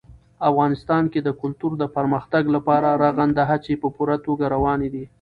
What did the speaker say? افغانستان کې د کلتور د پرمختګ لپاره رغنده هڅې په پوره توګه روانې دي.